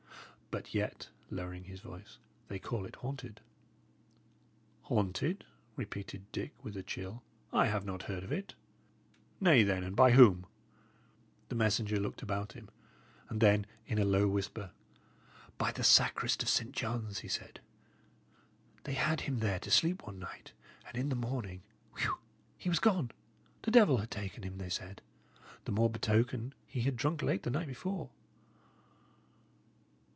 "But yet" lowering his voice "they call it haunted." "Haunted?" repeated Dick, with a chill. "I have not heard of it. Nay, then, and by whom?" The messenger looked about him; and then, in a low whisper, "By the sacrist of St. John's," he said. "They had him there to sleep one night, and in the morning whew! he was gone. The devil had taken him, they said; the more betoken, he had drunk late the night before."